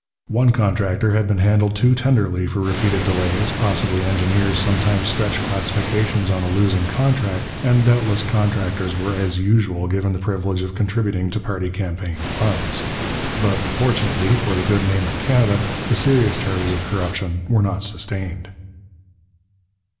One contractor had been handled too tenderly for repeated delays, possibly engineers sometimes stretched classification on a losing contract, and doubtless contractors were as usual given the privilege of contributing to party campaign funds. But, fortunately for the good name of Canada, the serious charges of corruption were not sustained.